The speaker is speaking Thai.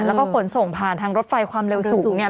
แล้วก็ขนส่งผ่านทางรถไฟความเร็วสูงเนี่ย